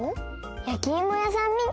やきいもやさんみたい！